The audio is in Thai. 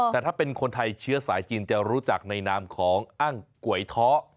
แต่ถ้าเป็นคนไทยเชื้อสายจีนจะรู้จักในนามของอ้างก๋วยท้อ